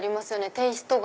テイストが。